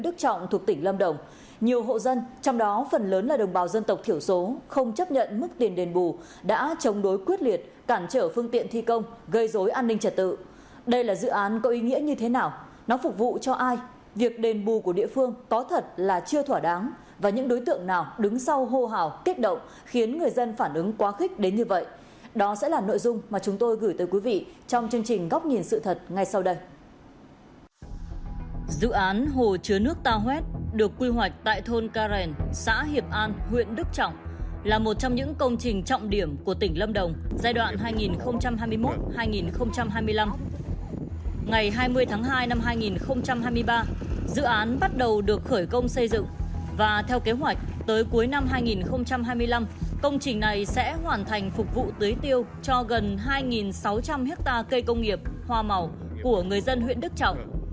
các dự án bắt đầu được khởi công xây dựng và theo kế hoạch tới cuối năm hai nghìn hai mươi năm công trình này sẽ hoàn thành phục vụ tưới tiêu cho gần hai sáu trăm linh hectare cây công nghiệp hoa màu của người dân huyện đức trọng